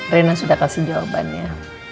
rena sudah kasih jawabannya